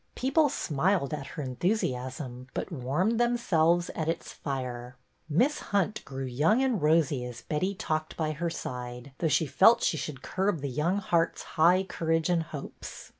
People smiled at her enthusiasm but warmed themselves at its fire. Miss Hunt grew young and rosy as Betty talked by her side, though she felt she should curb the young heart's high courage and hopes.